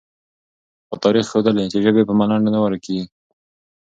خو تاریخ ښودلې، چې ژبې په ملنډو نه ورکېږي،